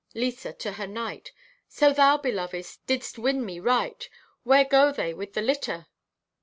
(Lisa, to her knight) "So, thou, beloved, didst win me right! Where go they with the litter?"